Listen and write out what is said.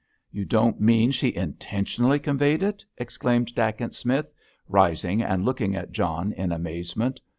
"You don't mean she intentionally conveyed it?" exclaimed Dacent Smith, rising and looking at John in amazement.